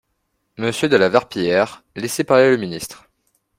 Monsieur de La Verpillière, laissez parler le ministre